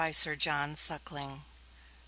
Sir John Suckling 234.